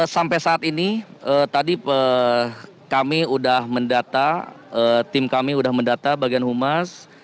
sampai saat ini tadi kami sudah mendata tim kami sudah mendata bagian humas